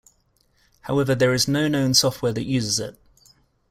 However, there is no known software that uses it.